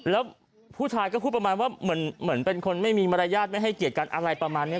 แล้วผู้ชายก็พูดประมาณว่าเหมือนเป็นคนไม่มีมารยาทไม่ให้เกียรติกันอะไรประมาณนี้